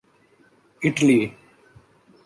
Italy